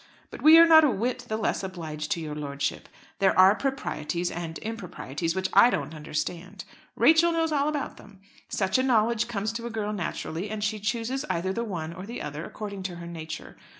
But we are not a whit the less obliged to your lordship. There are proprieties and improprieties which I don't understand. Rachel knows all about them. Such a knowledge comes to a girl naturally, and she chooses either the one or the other, according to her nature.